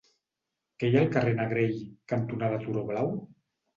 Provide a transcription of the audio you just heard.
Què hi ha al carrer Negrell cantonada Turó Blau?